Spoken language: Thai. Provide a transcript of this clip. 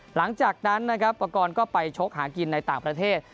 หลังจากนั้นนะครับประกอบก็ไปชกหากินในต่างประเทศ